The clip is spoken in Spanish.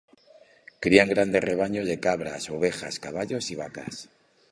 Crían grandes rebaños de cabras, ovejas, caballos y vacas.